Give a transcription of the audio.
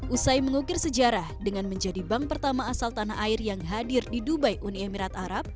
usai mengukir sejarah dengan menjadi bank pertama asal tanah air yang hadir di dubai uni emirat arab